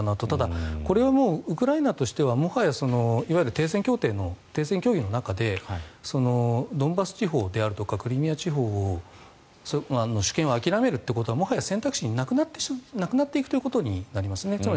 ただ、これはもうウクライナとしてはいわゆる停戦協議の中でドンバス地方であるとかクリミア地方を主権を諦めるってことはもはや選択肢からなくなっていくことになりますね。